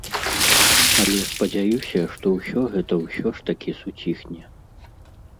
Але спадзяюся, што ўсё гэта ўсё ж такі суціхне.